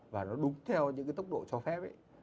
và nó đúng theo những cái tốc độ cho phép ấy